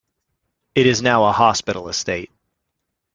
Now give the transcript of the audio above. It is now a hospital estate.